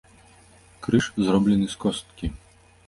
Крыж зроблены з косткі.